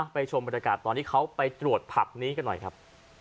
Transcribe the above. ไปชมบรรษากาศตอนที่เขากำลังไปตรวจปลับนั้นหน่อยครับ